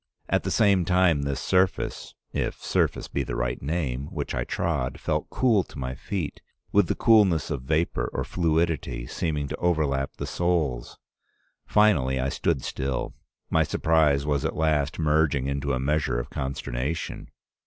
At the same time this surface, if surface be the right name, which I trod, felt cool to my feet with the coolness of vapor or fluidity, seeming to overlap the soles. Finally I stood still; my surprise was at last merging into a measure of consternation.